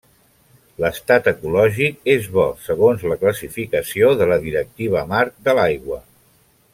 L'estat ecològic és bo segons la classificació de la Directiva Marc de l'Aigua.